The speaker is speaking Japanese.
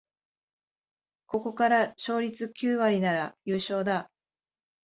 ここから勝率九割なら優勝だ